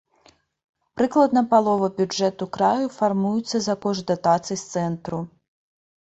Прыкладна палова бюджэту краю фармуецца за кошт датацый з цэнтру.